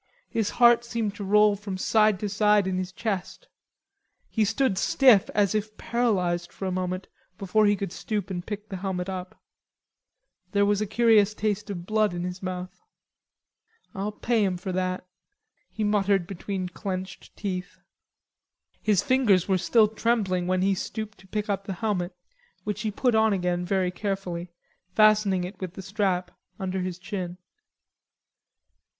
His heart seemed to roll from side to side in his chest. He stood stiff, as if paralyzed for a moment before he could stoop and pick the helmet up. There was a curious taste of blood in his mouth. "Ah'll pay 'em fer that," he muttered between clenched teeth. His fingers were still trembling when he stooped to pick up the helmet, which he put on again very carefully, fastening it with the strap under his chin.